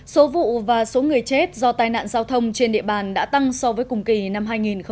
số vụ và số người chết do tai nạn giao thông trên địa bàn đã tăng so với cùng kỳ năm hai nghìn một mươi tám